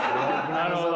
なるほど。